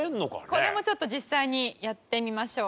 これもちょっと実際にやってみましょう。